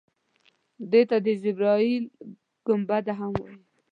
دې ته د جبرائیل ګنبده هم وایي.